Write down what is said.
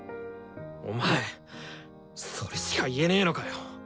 お前それしか言えねえのかよ。